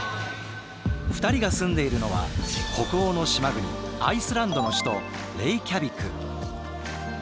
２人が住んでいるのは北欧の島国アイスランドの首都レイキャビク。